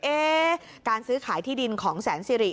การซื้อขายที่ดินของแสนสิริ